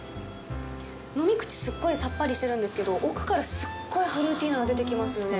飲み口、すっごいさっぱりしてるんですけど、奥からすっごいフルーティーなのが出てきますよね！